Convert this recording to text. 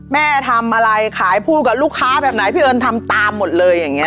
แม่ทำอะไรขายพูดกับลูกค้าแบบไหนพี่เอิญทำตามหมดเลยอย่างนี้